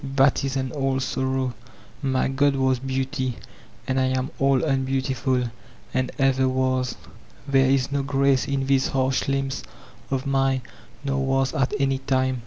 That is an old sor row I My god was Beauty, and I am all unbeautiful. and ever was. There is no grace in these harsh limbs of mine, nor was at any time.